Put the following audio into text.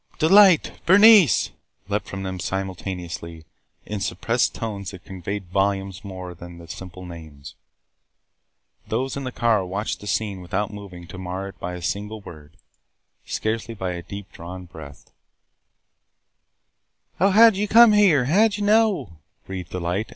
"Delight!" "Bernice!" leaped from them simultaneously, in suppressed tones that conveyed volumes more than the simple names. Those in the car watched the scene without moving to mar it by a single word, scarcely by a deep drawn breath. "Oh, how did you come here? How did you know?" breathed Delight.